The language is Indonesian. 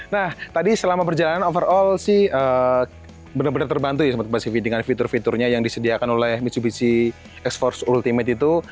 nah tadi selama perjalanan overall sih benar benar terbantu ya mbak sivi dengan fitur fiturnya yang disediakan oleh mitsubishi exforce ultimate itu